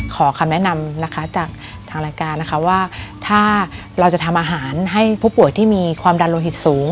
ขอคำแนะนำนะคะจากทางรายการนะคะว่าถ้าเราจะทำอาหารให้ผู้ป่วยที่มีความดันโลหิตสูง